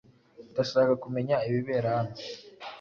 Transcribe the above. Ndashaka kumenya ibibera hano.